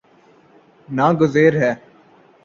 نا گزیر ہے